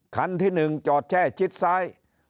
คันที่หนึ่งจอดแช่ชิดซ้าย